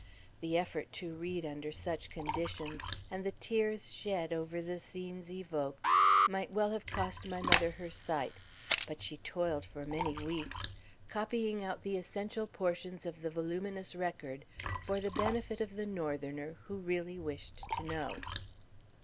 The effort to read under such conditions, and the tears shed over the scenes evoked, might well have cost my mother her sight; but she toiled for many weeks, copying out the essential portions of the voluminous record for the benefit of the Northerner who really wished to know.